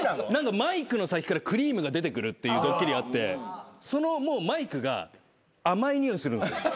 マイクの先からクリームが出てくるっていうドッキリあってそのマイクが甘い匂いするんすよ。